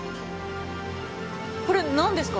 これ何ですか？